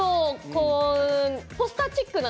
ポスターチックな。